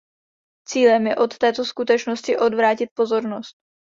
Cílem je od této skutečnosti odvrátit pozornost.